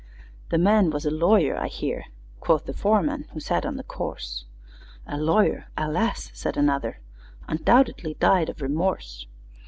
"The man was a lawyer, I hear," Quoth the foreman who sat on the corse. "A lawyer? Alas!" said another, "Undoubtedly died of remorse!"